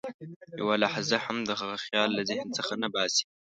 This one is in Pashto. یوه لحظه هم دغه خیال له ذهن څخه نه باسي.